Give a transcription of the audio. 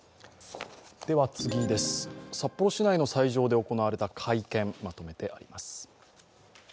札幌市内の斎場で行われた会見、まとめてあります。